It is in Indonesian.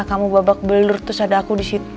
kamu bebak belur terus ada aku disitu